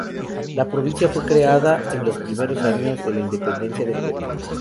La provincia fue creada en los primeros años de la independencia del Perú.